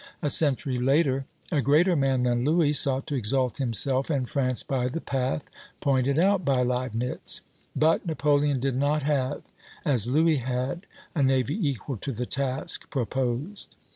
A century later a greater man than Louis sought to exalt himself and France by the path pointed out by Leibnitz; but Napoleon did not have, as Louis had, a navy equal to the task proposed.